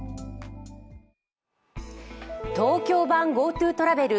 東京版ＧｏＴｏトラベル